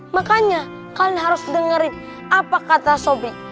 makanya kalian harus dengerin apa kata sobri